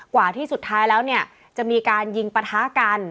กว่าที่สุดท้ายแล้วเนี่ยจะมีการยิงปะทะกัน